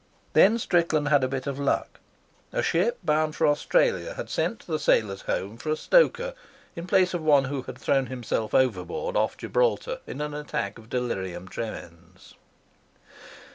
Then Strickland had a bit of luck. A ship bound for Australia had sent to the Sailors' Home for a stoker in place of one who had thrown himself overboard off Gibraltar in an attack of delirium tremens.